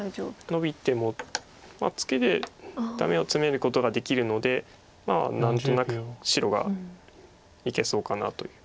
ノビてもツケでダメをツメることができるのでまあ何となく白がいけそうかなという。